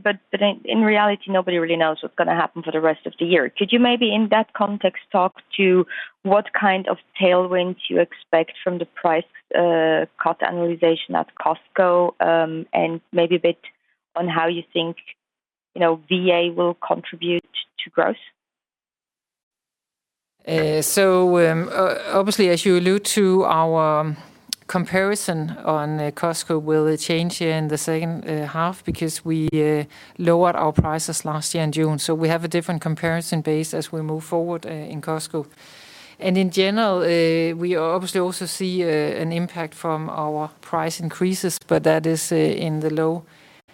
In reality, nobody really knows what's going to happen for the rest of the year. Could you maybe, in that context, talk to what kind of tailwinds you expect from the price cut annualization at Costco? Maybe a bit on how you think VA will contribute to growth? Obviously, as you alluded to, our comparison on Costco will change here in the second half, because we lowered our prices last year in June. We have a different comparison base as we move forward in Costco. In general, we obviously also see an impact from our price increases. That is in the low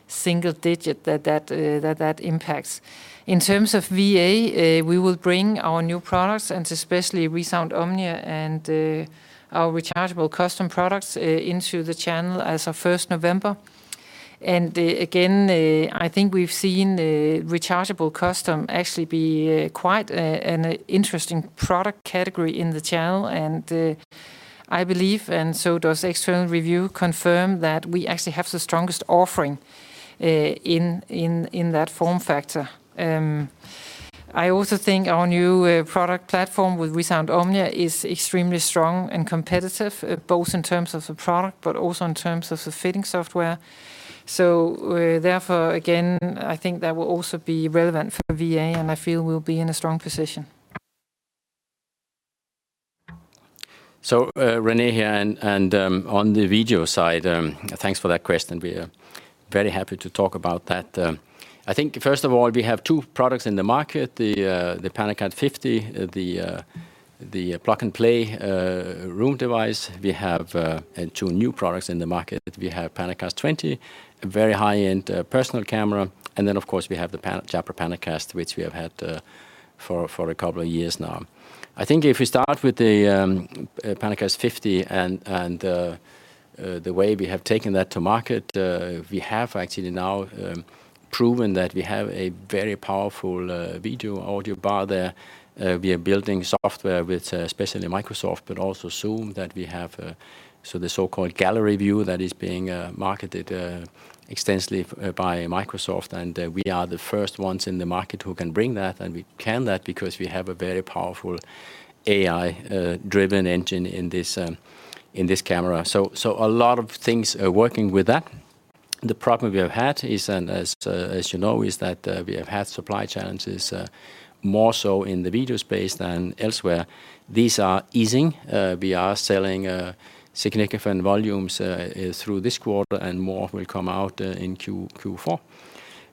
single digit that impacts. In terms of VA, we will bring our new products, and especially ReSound OMNIA and our rechargeable custom products, into the channel as of 1 November. Again, I think we've seen rechargeable custom actually be quite an interesting product category in the channel. I believe, and so does external review, confirm that we actually have the strongest offering in that form factor. I also think our new product platform with ReSound OMNIA is extremely strong and competitive, both in terms of the product but also in terms of the fitting software. Therefore, again, I think that will also be relevant for VA. I feel we'll be in a strong position. René here. On the video side, thanks for that question. We're very happy to talk about that. I think, first of all, we have two products in the market: the PanaCast 50, the plug-and-play room device. We have two new products in the market. We have PanaCast 20, a very high-end personal camera. Of course, we have the Jabra PanaCast, which we have had for a couple of years now. I think if we start with the PanaCast 50 and the way we have taken that to market, we have actually now proven that we have a very powerful video audio bar there. We are building software with, especially Microsoft, but also Zoom, that we have so the so-called gallery view that is being marketed extensively by Microsoft. We are the first ones in the market who can bring that. We can see that because we have a very powerful AI-driven engine in this camera. A lot of things working with that. The problem we have had is, as you know, is that we have had supply challenges, more so in the video space than elsewhere. These are easing. We are selling significant volumes through this quarter. More will come out in Q4.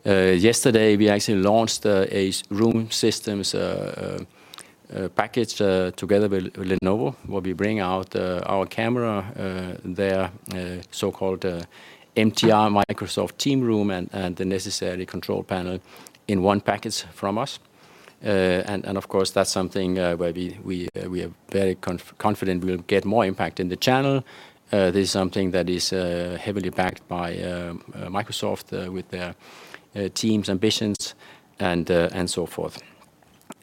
Yesterday, we actually launched a room systems package together with Lenovo, where we bring out our camera there, so-called MTR Microsoft Teams Room, and the necessary control panel in one package from us. Of course, that's something where we are very confident we'll get more impact in the channel. This is something that is heavily backed by Microsoft with their Teams ambitions and so forth.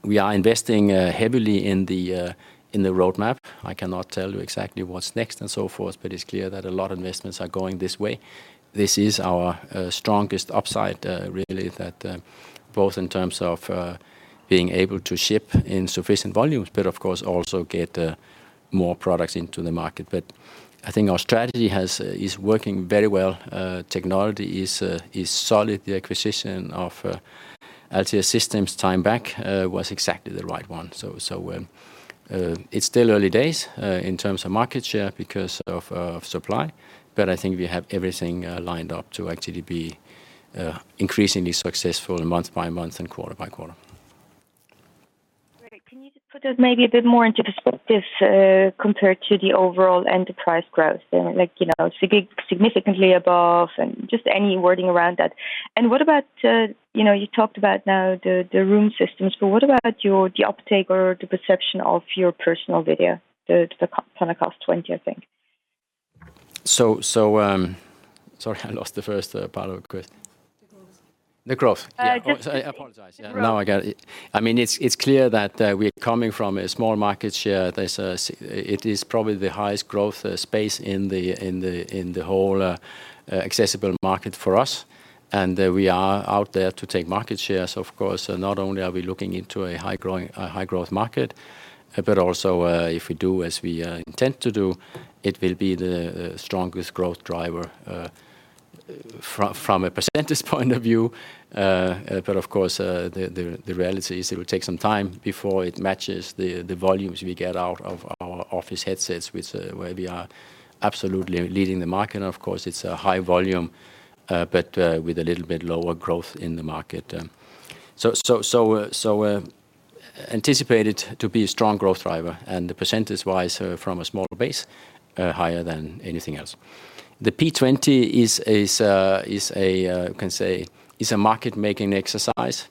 We are investing heavily in the roadmap. I cannot tell you exactly what's next and so forth. It's clear that a lot of investments are going this way. This is our strongest upside, really, both in terms of being able to ship in sufficient volumes but, of course, also get more products into the market. I think our strategy is working very well. Technology is solid. The acquisition of Altia Systems time back was exactly the right one. It's still early days in terms of market share because of supply. I think we have everything lined up to actually be increasingly successful month by month and quarter by quarter. Great. Can you just put that maybe a bit more into perspective compared to the overall enterprise growth? Like, you know, significantly above and just any wording around that. What about you talked about now the room systems. What about the uptake or the perception of your personal video, the PanaCast 20, I think? Sorry, I lost the first part of the question. The growth. The growth. Yeah. I apologize. Now, I got it. I mean, it's clear that we're coming from a small market share. It is probably the highest growth space in the whole accessible market for us. We are out there to take market share. Of course, not only are we looking into a high-growth market but also, if we do as we intend to do, it will be the strongest growth driver from a percentage point of view. Of course, the reality is it will take some time before it matches the volumes we get out of our office headsets, where we are absolutely leading the market. Of course, it's a high volume but with a little bit lower growth in the market. Anticipated to be a strong growth driver, and percentage-wise, from a small base, higher than anything else. The PanaCast 20 is a market-making exercise.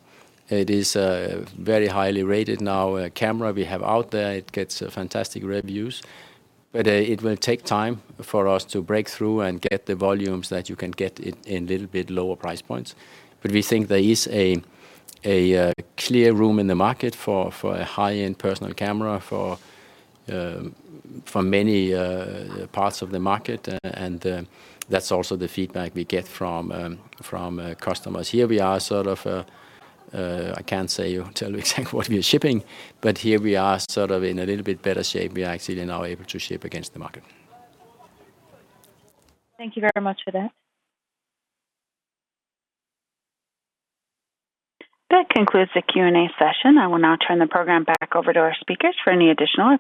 It is a very highly rated new camera we have out there. It gets fantastic reviews. It will take time for us to break through and get the volumes that you can get in a little bit lower price points. We think there is a clear room in the market for a high-end personal camera for many parts of the market. That's also the feedback we get from customers. Here, we are sort of, I can't tell you exactly what we're shipping. Here, we are sort of in a little bit better shape. We are actually now able to ship against the market. Thank you very much for that. That concludes the Q&A session. I will now turn the program back over to our speakers for any additional or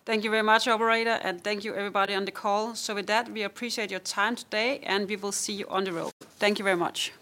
closing remarks. Thank you very much, Operator. Thank you, everybody on the call. With that, we appreciate your time today. We will see you on the road. Thank you very much.